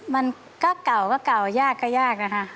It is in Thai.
มันก็เก่าก็เก่ายากก็ยากนะคะ